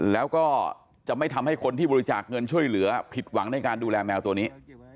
แล้วก็จะไม่ทำให้คนที่บริจาคเงินช่วยเหลือผิดหวังในการดูแลแมวตัวนี้